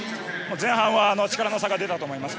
前半は力の差が出たと思います。